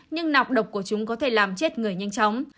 nhưng nọc độc của chúng có thể làm chết người nhanh chóng